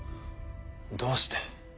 どうして？